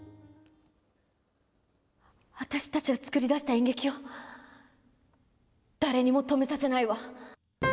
私たちが作り出した演劇を、誰にも止めさせないわ。